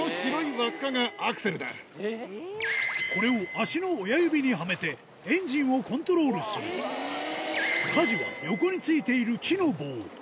これを足の親指にはめてエンジンをコントロールする舵は横に付いている木の棒